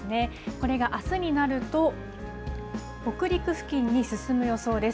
これがあすになると、北陸付近に進む予想です。